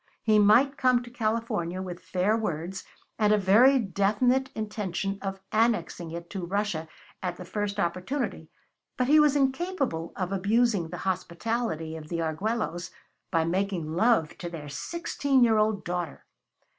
He might come to California with fair words and a very definite intention of annexing it to Russia at the first opportunity, but he was incapable of abusing the hospitality of the Arguellos by making love to their sixteen year old daughter.